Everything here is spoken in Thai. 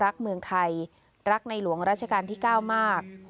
แต่เขารักเมืองไทยรักในหลวงราชกาลที่เก้ามาก